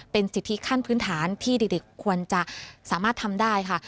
เป็นสิทธิขั้นพื้นฐานที่เด็กควรจะสามารถทำได้ค่ะ